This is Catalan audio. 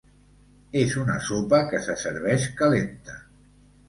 És una sopa que se serveix calenta.